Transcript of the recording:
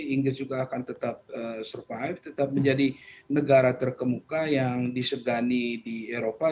inggris juga akan tetap survive tetap menjadi negara terkemuka yang disegani di eropa